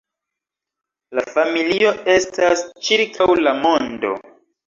La familio estas ĉirkaŭ la mondo.